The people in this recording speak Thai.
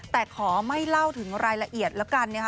แต่ขอไม่เล่าถึงรายละเอียดแล้วกันนะคะ